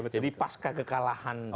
jadi pas kekalahan